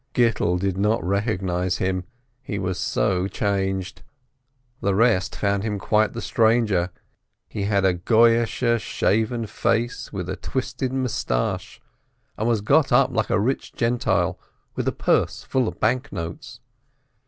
Gittel did not recog nize him, he was so changed. The rest found him quite the stranger: he had a "goyish" shaven face, with a twisted moustache, and was got up like a rich Gentile, with a purse full of bank notes.